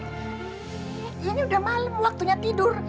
iya ini udah malem waktunya tidur